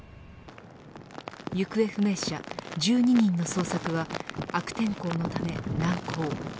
行方不明者１２人の捜索は悪天候のため難航。